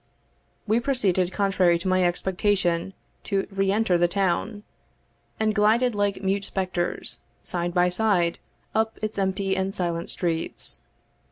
We proceeded, contrary to my expectation, to re enter the town, and glided like mute spectres, side by side, up its empty and silent streets.